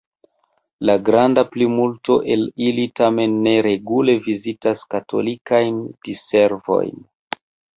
La granda plimulto el ili tamen ne regule vizitas katolikajn diservojn.